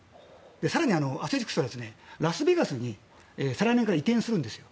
更にアスレチックスはラスベガスに再来年から移転するんですよ。